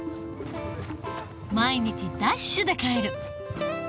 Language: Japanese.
毎日ダッシュで帰る。